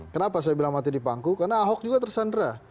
kenapa saya bilang mati di pangku karena ahok juga tersandra